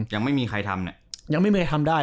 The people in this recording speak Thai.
ยังไม่มีใครทำเนี่ยยังไม่เคยทำได้